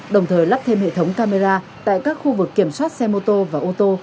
đồng thời lắp thêm hệ thống camera tại các khu vực kiểm soát xe mô tô và ô tô